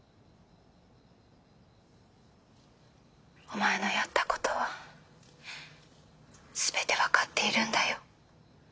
お前のやった事は全て分かっているんだよ。